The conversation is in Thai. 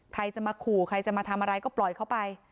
ใครจะมาขู่ใครจะมาทำอะไรก็ปล่อยเขาไป